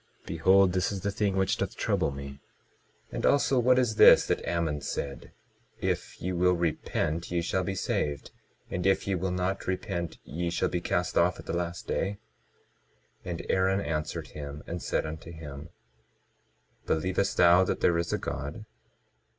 Behold, this is the thing which doth trouble me. 22:6 And also, what is this that Ammon said—If ye will repent ye shall be saved, and if ye will not repent, ye shall be cast off at the last day? 22:7 And Aaron answered him and said unto him: Believest thou that there is a God?